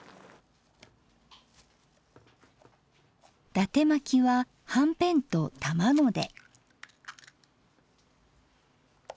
伊達まきははんぺんと卵で。